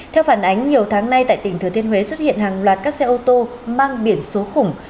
theo phản ánh nhiều tháng nay tại tỉnh thừa thiên huế xuất hiện hàng loạt các xe ô tô mang biển số khủng